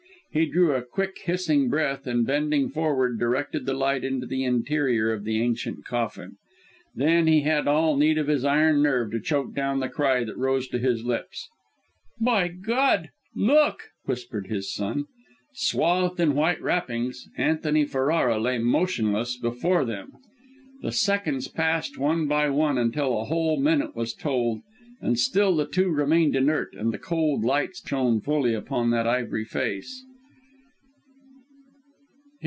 He drew a quick, hissing breath, and bending forward, directed the light into the interior of the ancient coffin. Then, he had need of all his iron nerve to choke down the cry that rose to his lips. "By God! Look!" whispered his son. Swathed in white wrappings, Antony Ferrara lay motionless before them. The seconds passed one by one, until a whole minute was told, and still the two remained inert and the cold light shone fully upon that ivory face.